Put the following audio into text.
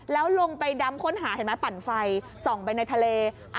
แล้วลงไปดำค้นหาเห็นไหมปั่นไฟส่องไปในทะเล